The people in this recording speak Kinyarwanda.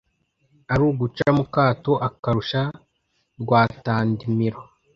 Ari uguca mu Kato Akarusha Rwata-ndimiro